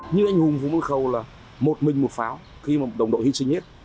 như anh hùng phủng văn khẩu là một mình một pháo khi mà đồng đội hy sinh hết